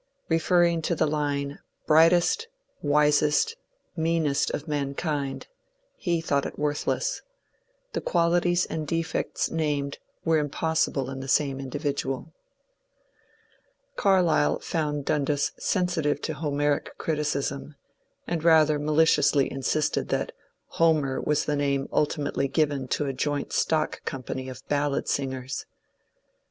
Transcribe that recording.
Referring to the line '^ Brightest, wisest, meanest of man kind," he thought it worthless — the qualities and defects named were impossible in the same individuaL^ Carlyle found Dundas sensitive to Homeric criticism, and rather maliciously insisted that ^^ Homer was the name ulti mately given to a joint stock company of ballad singers."